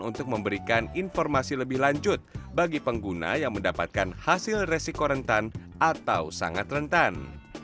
untuk memberikan informasi lebih lanjut bagi pengguna yang mendapatkan hasil resiko rentan atau sangat rentan